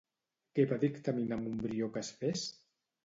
Què va dictaminar Montbrió que es fes?